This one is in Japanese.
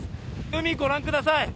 海、御覧ください。